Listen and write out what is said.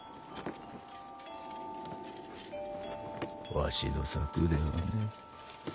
わしの策ではねえ。